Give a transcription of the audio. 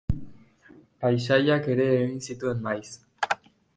Paisaiak ere egin zituen maiz.